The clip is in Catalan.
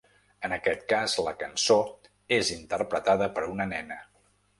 En aquest cas, la cançó és interpretada per una nena.